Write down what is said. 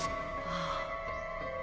ああ。